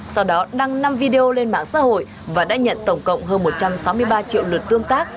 sau đó đăng năm video lên mạng xã hội và đã nhận tổng cộng hơn một trăm sáu mươi ba triệu lượt tương tác